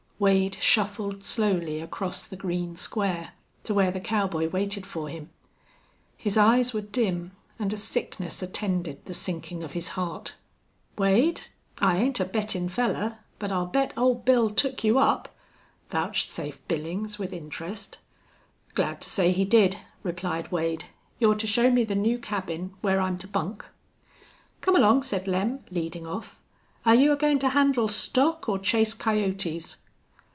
Wade shuffled slowly across the green square to where the cowboy waited for him. His eyes were dim, and a sickness attended the sinking of his heart. "Wade, I ain't a bettin' fellar, but I'll bet Old Bill took you up," vouchsafed Billings, with interest. "Glad to say he did," replied Wade. "You're to show me the new cabin where I'm to bunk." "Come along," said Lem, leading off. "Air you agoin' to handle stock or chase coyotes?"